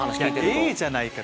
「ええじゃないか」